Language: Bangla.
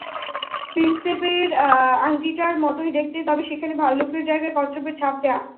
প্রিন্সিপের আংটিটার মতোই দেখতে, তবে সেখানে ভাল্লুকের জায়গায় কচ্ছপের ছাপ দেয়া।